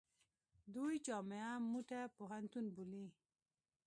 دوی جامعه موته پوهنتون بولي.